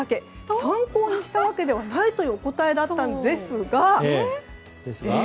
参考にしたわけではないというお答えだったんですがええ？